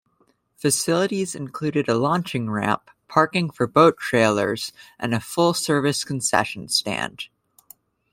Facilities include a launching ramp, parking for boat trailers and a full-service concession stand.